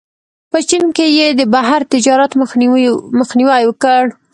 په چین کې یې د بهر تجارت مخنیوی وکړ.